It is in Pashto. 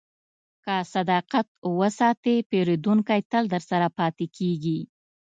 که صداقت وساتې، پیرودونکی تل درسره پاتې کېږي.